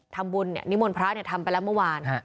ทำบุญนิมนต์พระทำไปแล้วเมื่อวาน